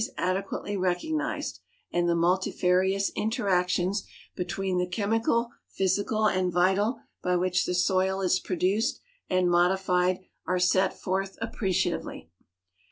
adei|natt'ly recognized, and the multifarious interactions between the ciiemical, physical, and vital, by which the soil is produced and modified, are set forth appreciatively.